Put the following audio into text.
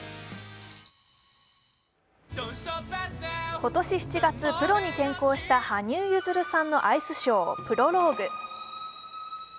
今年７月、プロに転向した羽生結弦さんのアイスショー、「プロローグ」。